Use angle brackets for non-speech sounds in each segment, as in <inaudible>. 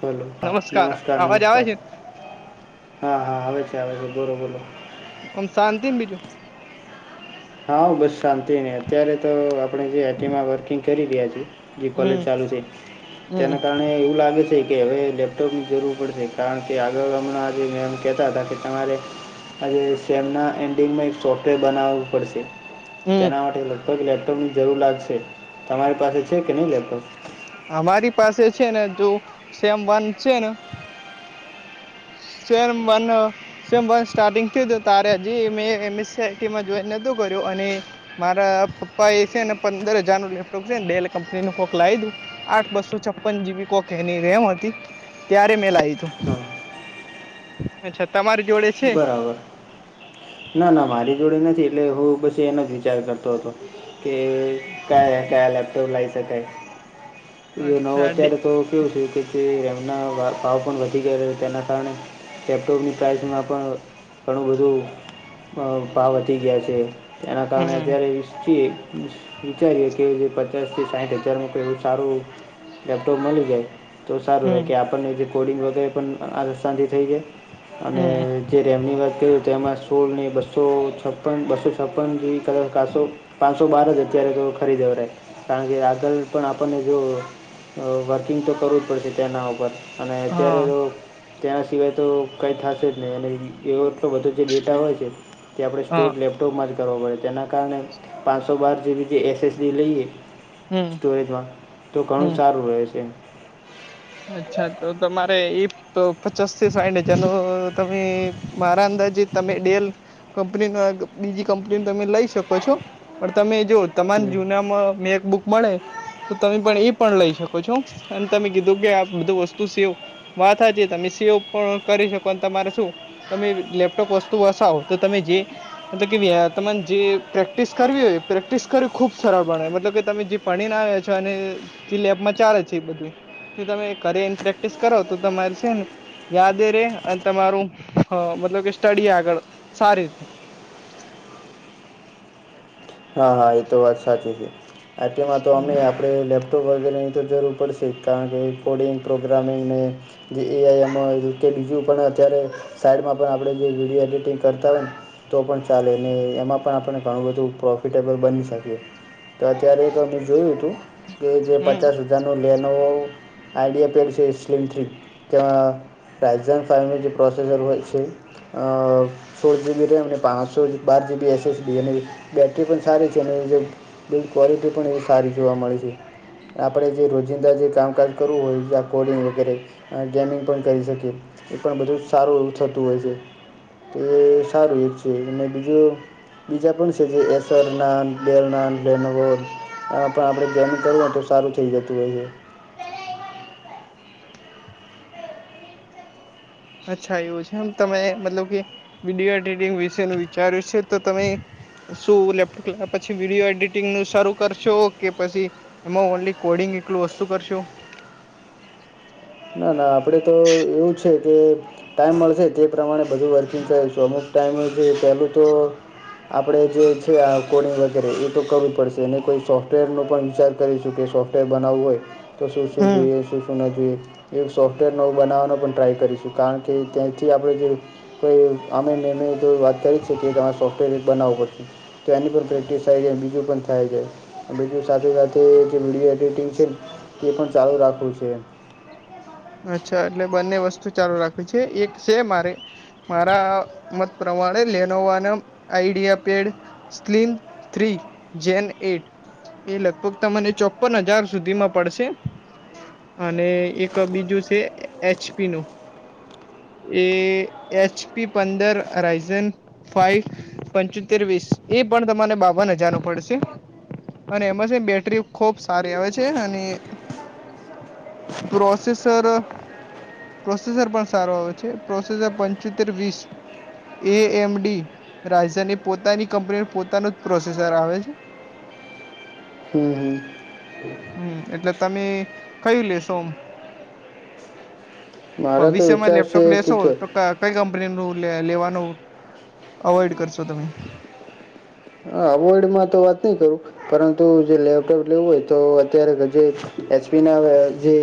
બોલો હા નમસ્કાર અવાજ આવે નમસ્કાર છે હા આવે છે આવે છે બોલો બોલો. ઓમ શાંતિ ને બીજું. હા બસ શાંતિ ને અત્યારે તો આપણે જે આટીમાં વર્કિંગ કરી રહ્યા છીએ. જે કોલેજ હમ ચાલુ છે હમ તેના કારણે એવું લાગે છે. કે હવે લેપટોપની જરૂર પડશે કારણ કે આગળ હમણાં આ જે મેમ કેહતા હતા કે તમારે આજે સેમના એન્ડિંગમાં એક સોફ્ટવેર બનાવવું પડશે હમ તેના માટે કઈક લેપટોપની જરૂર લાગશે તમારી પાસે છે કે નય લેપટોપ? અમારી પાસે છે ને જો સેમ વન છે ને સેમ મને સેમ વન સ્ટાર્ટિંગ થયું તારે હજી મે એમએસઆઈટી માં જોઈ નતું કર્યું અને મારા પપ્પા એ છે ને પંદર હજાર નું લેપટોપ છે ને ડેલ કંપનીનું કોક લાય દું. આઠ બસો છપન જીબી કોક એની રેમ હતી ત્યારે મેં લાયુ તું. હા <unintelligible> અચ્છા તમારી જોડે છે બરાબર. ના ના મારી જોડે નથી એટલે હું બસ એમ જ વિચાર કરતો હતો કે કાલે કાલે લેપટોપ લાવ શકાય નવ અચ્છા અત્યારે તો કેવું છે કે તે રેમના ભાવ પણ વધી ગયા છે તેના કારણે લેપટોપની પ્રાઇસમાં પણ ઘણું બધું અ ભાવ વધી ગયા છે એના કારણે હમ અત્યારે એ રિસ્કી વિચારીએ કે જે પચાસ થી સાઠ હજાર નું કોઈ સારું લેપટોપ મળી જાય. તો સારું રહે હમ કે આપણને જે કોડિંગ વગેરે પણ આ શાંતિ થઈ જાય અને હમ જે રેમની વાત કર તે એમાં સોળને બસો છપ્પન બસો છપ્પન જેવી કલર કાસો. પાંનસો બાર જ અત્યારે તો ખરીદે કારણ કે આગળ પણ આપણને જોયુ અ વર્કિંગ તો કરવું જ પડશે તેના ઉપર. અને અત્યારે હા તો તેના સિવાય તો કય થાતું નહી એ. એવો એટલો બધો જે ડેટા હોય છે તે આપણે સ્ટોર હા લેબ ટોમાર કરવો પડે તેના કારણે પાંનસો બાર જીબી જે એસએસડી લઈએ. હમ સ્ટોરેજમાં તો હમ ઘણું સારું રહે છે. અચ્છા તો તમારે એ તો પચાસ થી સાઇઠ હજારનો તમે મારા અંદાજે તમે ડેલ કંપનીમાં બીજી કંપનીમ તમે લઈ શકો છો પણ તમે જો તમાર જૂનામાં મેક બુક મળે તો તમે પણ ઈ પણ લઈ શકો છો અન તમે કી ધુ કે બધું વસ્તુ સેવ વાત હાચી તમે સેવ પણ કરી શકો તમારે શું તમે લેપટોપ વસ્તુ વસાહો તો તમે જે મતલબ કે વ્યા તમાન જે પ્રેક્ટિસ ખરવી હોય પ્રેક્ટિસ ખરવુ ખુબ સળળબને મતલબ કે તમે જે પણીના છો અને જે લેબમાં ચાલે જ છે, એ બધુંય શુ તમે એ કાર્યન પ્રેક્ટિસ કરો તો તમાર સેને યાદે રે અન તમારું અ મતલબ કે સ્ટડી આગળ સારી રે હા હા એતો વાત સાચી છે, આતો માતો અમે હમ આપડે લેપટોપ વગેરે તો જરૂર પડશે જ કારણ કે કોડિંગ પ્રોગ્રામિંગ ને જે એ આઈ અને બીજું પણ અત્યારે સાઈડમાં પણ આપડે જે વિડીયો એડિટિંગ કરતા <unintelligible> તો પણ ચાલે ને એમાં પણ આપણને ધણું બધું પ્રો ફિટેબલ બની શકીએ તો અત્યારે એક મે જોયું તું કે જે પચાસ હમ <inaudible> આઈડિયા <unintelligible> સ્લિમ થ્રી તેમાં <unintelligible> પ્રોસેસર હોય છે. અ સો જી બી રેમને પાંચસો થી બાર જી બી એસ એસ બીએને બે રી પણ સારી છે, અને એ જે બિલ્ડ ક્વોલિટી પણ એવી સારી જોવા મળે છે. આપરે જે રોજિંદા જે કામકાજ કરવું હોય આ કોડિગ વગેરે અ ગેમિંગ પણ કરી શકીએ એ પણ બધું સારું એવું થતું હોય છે. તો એ સારું એક છે, અને બીજું બીજા પણ છે, જે એ તરનાન દેરનાન લેનોવર આ પણ આપણે જોન કરવાન તો સારું થઈ જતું હોય છે. અચ્છા એવું છે, એમ તમે એ મતલબ કે વિડીઓ એડિટિંગ વિશેનું વિચાર્યું છે, તો તમે શું લેપટોપ લાયા પછી વિડીયો એડિટિંગ નું શરૂ કરશો કે પછી એમાં ઓનલી કોડિંગ એકલું વસ્તુ કરશો? ના ના આપડે તો એવું છે, કે ટાઈમ મળશે તે પ્રમાણે બધું વર્કિંગ કરશું અમુક ટાઈમે પેહેલું તો આપણે જે છે, આ કોડિંગ વગેરે એ તો કરવુ પડશે એને તો સોફ્ટવેરનો પણ વીચાર કરીશું કે સો ટે બનાવવું હોય તો શું શું હમ જોઈએ શું શું ના જોએ? એક સોફ્ટવેર નવું બનાવાનો પણ ટ્રાય કરીશું કારણ કે ત્યાંથી આપણે જે તોય અમે મેમે તો વાત કરી છે, કે તમાર સોફ્ટવેર એક બનાવવું પડશે તો એની પર પ્રેક્ટિસ થઇ જાય બીજું પણ થાય જાય બીજું સાથે સાથે જે વિડીયો એડિટિંગ છે. તે પણ ચાળું રાખવું છે. અચ્છા એટલે બંને વસ્તુ ચાલુ રાખવી છે, એક સે મારે મારા મત પ્રમાણે લેનોવાનમ આઈડિયા પેડ સ્થિલીન થ્રી જેન એઇટ એ લગભગ ત મને ચોપ્પન હજાર સુધીમાં પડશે અને એ ક બીજું સે એચપીનુ એ એચ પી પંદર અરાઈઝન ફાઈવ પંચોતેર વીસ એ પણ તમને બાવન હજારનું પડશે અને એમાં છે, ન બેટરી ખોબ સારી આવે છે, અને પ્રોસેસર પ્રોસેસર પણ સારો આવે છે, પ્રોસેજર પંચોતેર વીસ એ એમ ડી રાજ્યની પોતાની કંપનીનું પોતાનું જ પ્રોસેઝર આવે છે. હમ્મ-હમ્મ. હમ્મ. એટલે તમે કંઈ લેશો ઓમ? મારો તો ભવિષ્યમાં વિચાર છે લેપટોપ લેશો કે જો તો <unintelligible> કંઈ કંપની નું લે લેવાનું અવોઈડ કરશો તમે? અહ અવોઈડ માં તો વાત નહીં કરું. પરંતુ જે લેપટોપ લેવું હોય તો અત્યારે બધેય એચપી ના જે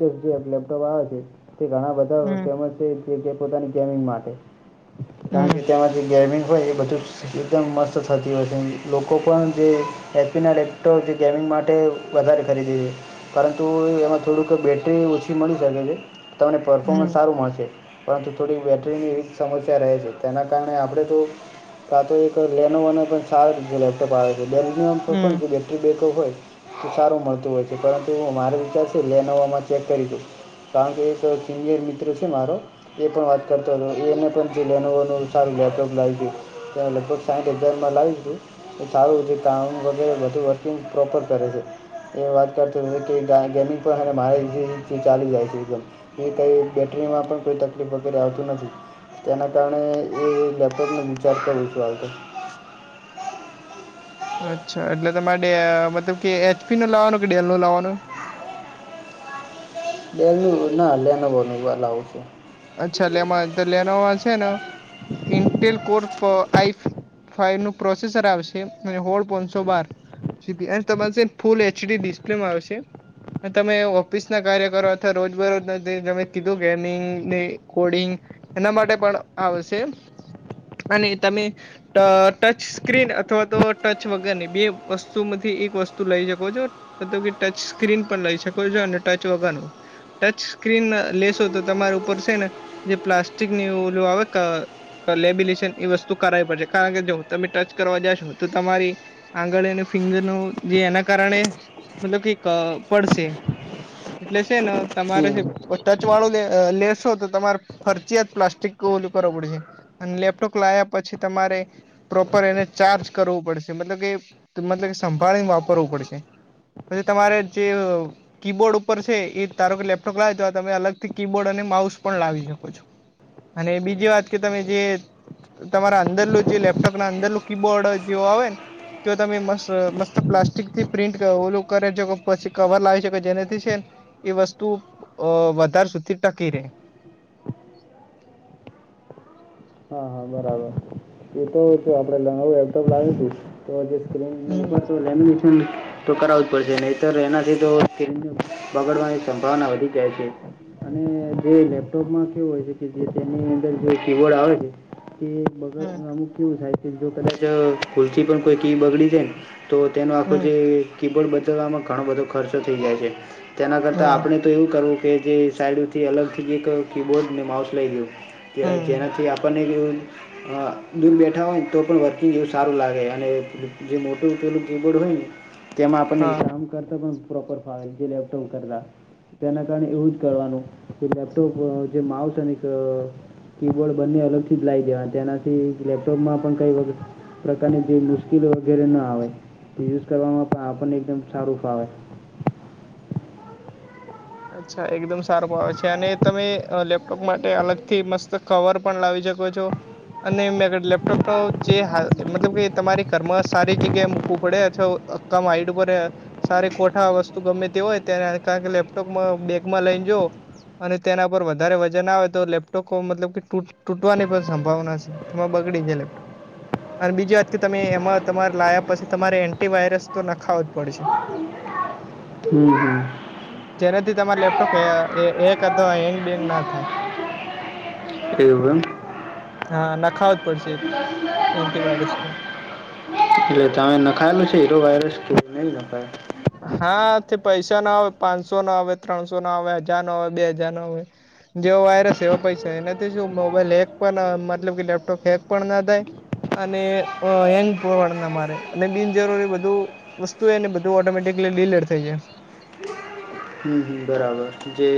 <unintelligible> જે લેપટોપ આવે છે તે ઘણા બધા- બઉ હમ ફેમસ <unintelligible> પોતાની ગેમિંગ માટે કારણ હમ કે તેમાં જે ગેમિંગ હોય એ બધું એકદમ મસ્ત થતી હોય છે લોકો પણ જે એચપીના લેપટોપ જે ગેમિંગ માટે વધારે ખરીદીે છે. પરંતુ એમાં થોડુંક બેટરી ઓછી મળી શકે છે તમને પરફોર્મન્સ હમ સારું મળશે. પરંતુ થોડી બેટરીની એવી જ સમસ્યા રહે છે તેના કારણે આપણે તો કા તો એક લેનોવો નો પણ સારો રીતે લેપટોપ આવે હમ છે બે હોય તો સારું મળતું હોય છે પરંતુ મારે વિચારથી લેનવામાં ચેક કરી દઉ. કારણ કે, એક સિયર મિત્ર છે મારો- એ પણ વાત કરતો હતો એને પણ લ સારું લેપટોપ લાવી ગયું ત લગભગ સાહીઠ હજારમાં લાવી છું એ સારું છે કામ વગેરે બધું વર્કિંગ પ્રોપર કરે છે. એ વાત કરતો કે ગ મારી રિત થી ચાલી જાય છે એકદમ કઈ કઈ બેટરીમાં પણ કોઈ તકલીફ વગેરે આવતું નથી. તેના કારણે એ વ્યાપકને વિચાર કરુ છું આતો અચ્છા એટલે તમારે મતલબ કે એચપી નું લાવવાનું કે ડેલ નું લાવવાનું <unintelligible> ડેલ નું ના લીનોવા ની બનાવું છે. અચ્છા એમા તો લીનોવા છે ને ઇન્ટેલ કોર્પ આઈ ફાયલ નું પ્રોસેસર આવશે ને હોલ પોંશો બાર એ તમાર ફૂલ એચડી ડિસ્પ્લેમ આવશે. તમે ઓફિસ ના કાર્ય કરો અથવા રોજબરોજમે કીધું ગેમિંગ ને કોડિંગ એના માટે પણ આવશે અને તમે ટ ટચ સ્ક્રીન અથવા તો ટચ વગરની બે વસ્તુમાંથી એક વસ્તુ લઈ શકો છો. મતલબ કે ટચ સ્ક્રીન પણ લઈ શકો છો ટચ વગરનું ટચ સ્ક્રીન લેશો તો તમારા ઉપર છે ને જે પ્લાસ્ટિક ની ઓલું આવે ક લેબિલેશન એ વસ્તુ કરાવવી પડશે કારણ કે જો તમે ટચ કરવા જાશો તો તમારી. આંગળી અને ફિંગર નું જે એના કારણે મતલબ કે ક પડશે. એટલે છે ને તમારે હમ ટચ વાળું લેસ -છો, તો તમારે ફરજીયાત પ્લાસ્ટિક ઓલું કરવું પડશે. અને લેપટોપ લાયા પછી તમારે- પ્રોપર એને ચાર્જ કરવું પડશે. મતલબ કે, મતલબ કે સંભાળીને વાપરવું પડશે. પછી તમારે જે કીબોર્ડ ઉપર છે એ તારો કે લેપટોપ લાવે તો તમે અલગથી કીબોર્ડ અને માઉસ પણ લાવી શકો છો. અને, બીજી વાત કે, તમે જે- તો તમારા અંદરનું જે લેપટોપ ને અંદરનું કીબોર્ડ જેવુ આવે ને તો તમે મસ્ત મસ્ત પ્લાસ્ટિક થી પ્રિન્ટ ઓલું કરી શકો પછી કવર લાવી શકો જેનાથી છે ને એ વસ્તુ અ વધાર સુધી ટકી રહેે. હા હા બરાબર એ તો જો આપડે નવું લેપટોપ લાવી હતું તો, હમ <unintelligible> તો કરાવું જ પડેશે નહીતર એનાથી તો એક બગાડવાની સંભાવના ઉભી થાય છે. અને જે લેપટોપ માં કેવું હોય જે તેની અંદર જે કીબોર્ડ આવે છે. કે બગ હમ અમુક કેવું સાયકલ જો કદાચ ભૂલથી પણ કોઈ ક બગડી છે ને તો, તેનું આખું હમ જે કીબોર્ડ, બદલવામાં ઘણો બધો ખર્ચો થઈ જાયછે. તેના કરતાં હમ આપણે- તો એવું કરવું કે જે સાઈડથી અલગથી એક કીબોર્ડને માઉસ લઈ ગયું હમ જેનાથી <unintelligible> <inaudible> હા દૂર બેઠા હોયને તો પણ વર્કિંગ એવું સારું લાગે અને જે મોટું પેલું કીબોર્ડ હોય ને જેમાં આપણને હા એક કામ કરતા પણ પ્રોપર ફાવે <unintelligible> લેપટોપ કરતા તેના કારણે એવું જ કરવાનું કે લેપટોપ જે માઉસ અને અહ કી બોર્ડ બંને અલગથી જ લાઈ દેવા, તેનાથી લેપટોપમાં પણ કંઈ <unintelligible> પ્રકારની જે મુશ્કેલી વગેરે ના આવે. તે યુઝ કરવામાં પણ આપણને એકદમ સારું ફાવે. અચ્છા. એકદમ સારું <unintelligible> છે. અને તમે લેપટોપ માટે અલગથી મસ્ત કવર પણ લાવી શકો છો અને મે રે લેપટોપનો જે હાલ મતલબ કે તમારી ઘરમાં સારી જગ્યાએ મૂકવું પડે, અથવા <unintelligible> હાઈટ ઉપર સારી કોઠા વસ્તુ ગમે તે હોય તેના કારણે કે લેપ ટોપમાં બેગમાં લઈ જઉં અને તેના પર વધારે વજન આવે તો લેપટોપ મતલબ કે તૂટ તૂટવાની પણ સંભાવના છે. તેમાં બગડી જાય લેપટોપ. અને બીજી વાત કે તમે એમાં તમારે લાયા પછી તમારે એન્ટી વાયરસ તો નખાવો જ પડશે. હમ્મ-હમ્મ. જેનાથી તમારે લેપટોપ કે હે હેક અથવા હેંગ બેંગ ના થાય. એવું એમ? હા. નખાવું જ પડશે એન્ટી વાયરસ તો. એટલે તમે નખાયેલો છે <unintelligible> વાયરસ કે નહીં નખાયો? હા. તે પૈસા ના આવે, પાંસો નો આવે, ત્રણસો નો આવે, હજાર નો આવે, બે હજાર નો આવે. જેવો વાયરસ એવા પૈસા. એનાથી શું મોબાઈલ હેક પણ અહ મતલબ કે લેપટોપ હેક પણ ના થાય. અને અહ હેંગ પણ ના મારે. અને બિનજરૂરી બધું વસ્તુ એને બધું ઓટોમેટ <unintelligible> ડિલીટ થઈ જાય. હમ્મ-હમ્મ બરાબર. જે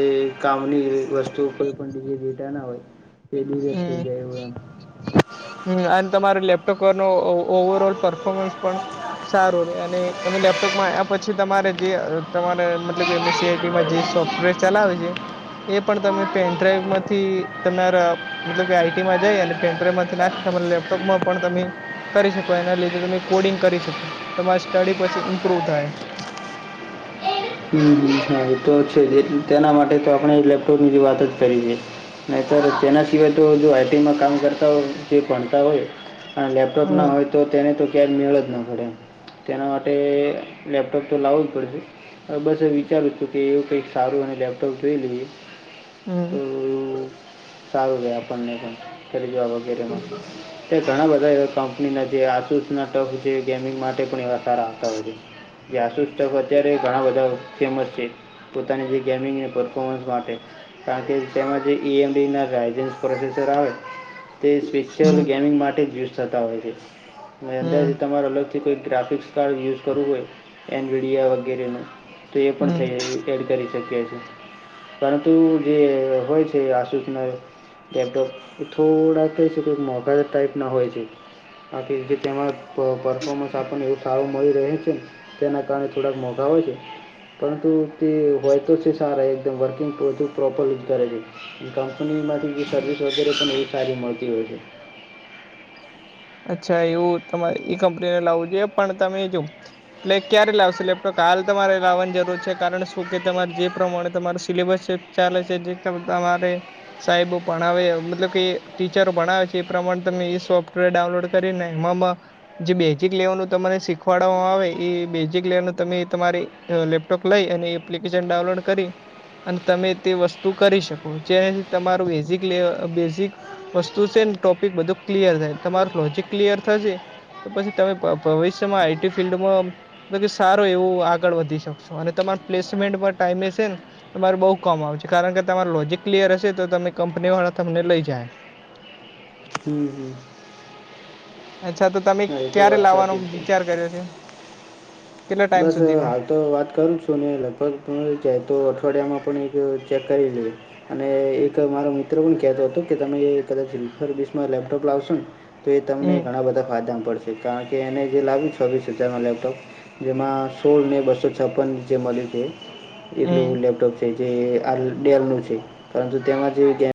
કામની વસ્તુ કોઈ પણ <unintelligible> ડેટા ના હોય એ ડિલીટ થઈ જાય એવું એમ. હમ્મ. અને તમારે લેપટોક નો ઓ ઓવરઓલ પરફોર્મન્સ પણ સારો રહે. અને તમે લેપટોપમાં આયા પછી તમારે જે તમારે મતલબ એમ સી આઈ ટીમાં જે સોફ ફ્ટવેર ચલાવે છે એ પણ તમે પેનડ્રાઈવ માંથી તમારા મતલબ કે આઈ ટીમાં જાય અને પેનડ્રાઈઇવમાંથી નાખી, તમે લેપટોપ માં પણ તમે કરી શકો. એના લીધે તમે કોડિંગ કરી શકો. તમારી સ્ટડી પછી ઇમ્પ્રુવ થાય. હમ્મ-હમ્મ. હા ઈ તો છે. જેથી તેના માટે તો આપણે લેપટોપની જે વાત જ કરી છે. નહીંતર તેના સિવાય તો જો આઈ ટીમાં કામ કરતા હોય, જે ભણતા હોય આ લેપટોપ હમ ના હોય ત તો તેને તો ક્યાંક મેળ જ ના પડે એમ. તેના માટે લેપટોપ તો લાવવું જ પડશે. હવે બસ એ વિચારું છું કે એવું કાંઈક સારું અને લેપટોપ જોઈ લઈએ. હમ તો એવું સારું રહે આપણને પણ, કરિયર વગેરેમાં. તે ઘણા બધા એવા કંપનીના જે આસુસ ના ટફ છે, ગેમિંગ માટે પણ એવા સારા આવતા હોય છે. કે આસુસ ટફ અત્યારે ઘણા બધા ફેમસ છે, પોતાની જે ગેમિંગને પરફોમન્સ માટે. કારણ કે તેમાં જે ઈ એમ ડી ના લાયસન્સ પ્રોસેસર આવે તે સ્પેશિયલ હમ ગેમિંગ માટે જ યુઝ થતા હોય છે. ને હમ અંદાજિત તમારે અલગથી કોઈ ગ્રાફિક્સ કાર્ડ યુઝ કરવું હોય એનવીડિયા વગેરેનું તો એ પણ હમ થઈ જ. એડ કરી શકીએ, છીએ પરંતુ જે હોય છે આશુંસ ના. લેપટોપ એ થોડા થ છે મોઘા ટાઈપ ના હોય છે. બાકી જે તે પરફોમન્સ આપણને એવું સારું મળી રહે છેને તેના કારણે થોડાક મો મોંઘાહા છે. પરંતુ તે હોય તો છે સારા એકદમ વર્કિંગ પ્રોપર યુઝ કરે છે. કંપની માંથી સર્વિસ વગેરે પણ એ સારી મળતી હોય છે. અચ્છા એવું તમારે એ કંપનીને લાવું જોઈએ પણ તમે જો એટલે ક્યારે લાવશે લેપટોપ હાલ તમારે લાવવાની જરૂર છે કારણ શું કે તમારે જે પ્રમાણે તમાું સિલેબસ છે. ચાલે છે જે તમારે સાહેબો ભણાવે મતલબ કે ટીચરો ભણાવ છે એ પ્રમાણે તમે એ સોફ્ટવેર ડાઉનલોડ કરીને એ જે બેઝિક લેવાનું તમાને શીખવાડવામાં આવે એ બેઝિક લેવાું તમે તમારે લેપટોપ લઈ અને એપ્લિકેશન ડાઉનલોડ કરી. અને તમે તે વસ્તુ કરી શકો જેનાથી તમારું બેઝિક બેઝિક વસ્તુ છે ને ટોપિક બધું ક્લિયર થાય તમારું લોજિક ક્લિયર થશે. તો પછી તમે ભવિષ્યમાં આઈટી ફિલ્ડમાં તો સારું એવું આગળ વધી શકશો અને તમાર પ્લેસમેન્ટમાં ટાઈમે છે ને. તમારે બઉુ કામ આવશે કારણ કે તમાર લોજિક ક્લિયર હશે તો તમે કંપની વાળા તમને લઈ જાય. હમ હમ. અચ્છા તો તમે હા એ તો વાત સાચી જ છે વિચાર કર્યો છે? કેટલા ટાઈમ બસ સુધીમાં હ તો વાત જ છું ને લગભગ જાય તો અઠવાડિયામાં એક ચેક કરી લેએ. અને એક મારા મિત્ર પણ કહેતો હતો કે તમે કદાચ સર્વિસમાં લેપટોપ લાવશો ને. તો એ તમને હમ ઘણા બધા ફાયદા પડશે કારણ કે એને જે લાવ્યું છવીસ હજાર ન લેપટોપ. જેમાં સોળ ને બસો છપ્પન જે મળ્યું છે હમ એટલું લેપટોપ છે. જે આ ડેર નું છે, પરંતુ તેમાં જે